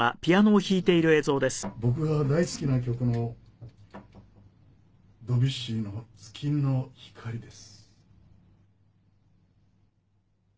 僕が大好きな曲のドビュッシーの『月の光』です」